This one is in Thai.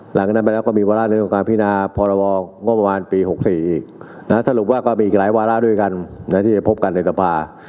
หลังจากนั้นไปแล้วก็มีเวลนึงการพินาพรบก็ประมาณปี๖๔อีกแล้วสรุปว่าก็มีกลายเวลาด้วยกันที่พบกันในทรภา